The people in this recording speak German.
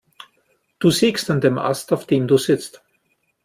Du sägst an dem Ast, auf dem du sitzt.